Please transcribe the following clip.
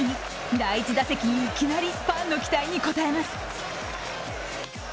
第１打席、いきなりファンの期待に応えます。